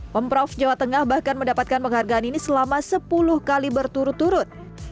pemprov jawa tengah bahkan mendapatkan penghargaan ini selama sepuluh kali berturut turut